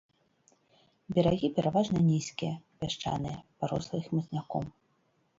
Берагі пераважна нізкія, пясчаныя, парослыя хмызняком.